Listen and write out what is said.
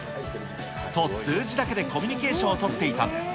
と、数字だけでコミュニケーションを取っていたんです。